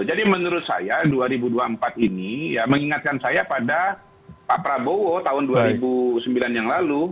jadi menurut saya dua ribu dua puluh empat ini mengingatkan saya pada pak prabowo tahun dua ribu sembilan yang lalu